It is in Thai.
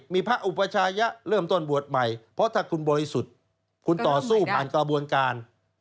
มีพระอุปชายะเริ่มต้นบวชใหม่เพราะถ้าคุณบริสุทธิ์คุณต่อสู้ผ่านกระบวนการ